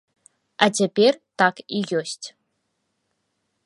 А цяпер так і ёсць.